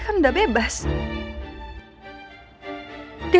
kamu nggak usah maksa nino